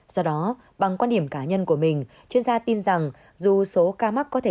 do đó bằng quan điểm cá nhân của mình chuyên gia tin rằng dù số ca mắc